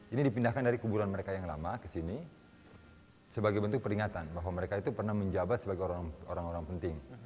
ini dipindahkan dari kuburan mereka yang lama ke sini sebagai bentuk peringatan bahwa mereka itu pernah menjabat sebagai orang orang penting